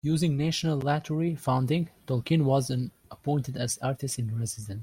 Using National Lottery funding, Tolkien was appointed as artist in residence.